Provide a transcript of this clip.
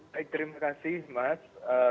baik terima kasih mas